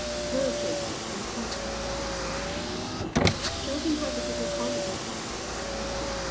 "No, thank you. I'm quite comfortable as I am." "Show him how to put it on, Eva," said Edward.